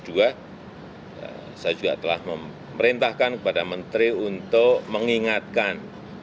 saya juga telah memerintahkan kepada menteri untuk mengingatkan